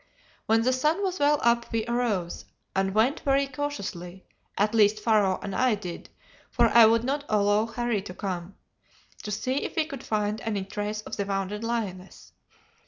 "When the sun was well up we arose, and went very cautiously at least Pharaoh and I did, for I would not allow Harry to come to see if we could find any trace of the wounded lioness.